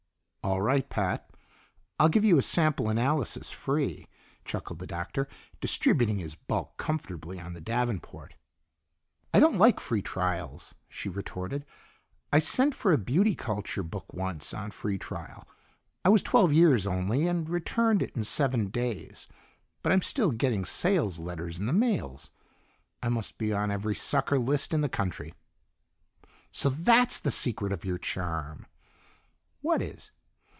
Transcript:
"All right, Pat. I'll give you a sample analysis free," chuckled the Doctor, distributing his bulk comfortably on the davenport. "I don't like free trials," she retorted. "I sent for a beauty culture book once, on free trial. I was twelve years only, and returned it in seven days, but I'm still getting sales letters in the mails. I must be on every sucker list in the country." "So that's the secret of your charm." "What is?"